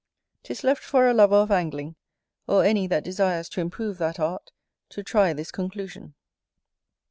'Tis left for a lover of angling, or any that desires to improve that art, to try this conclusion.